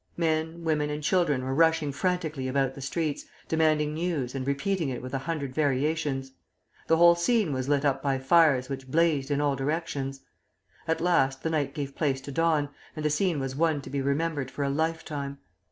Men, women, and children were rushing frantically about the streets, demanding news, and repeating it with a hundred variations. The whole scene was lit up by fires which blazed in all directions. At last the night gave place to dawn, and the scene was one to be remembered for a lifetime.